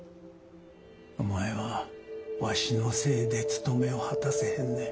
お前はわしのせいでつとめを果たせへんねん。